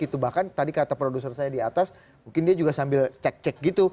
itu bahkan tadi kata produser saya di atas mungkin dia juga sambil cek cek gitu